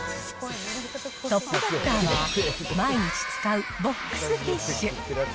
トップバッターは、毎日使うボックスティッシュ。